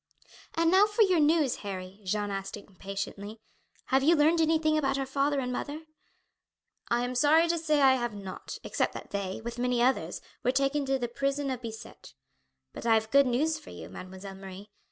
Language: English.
"And now for your news, Harry," Jeanne asked impatiently; "have you learned anything about our father and mother?" "I am sorry to say I have not, except that they, with many others, were taken to the prison of Bicetre. But I have good news for you, Mademoiselle Marie.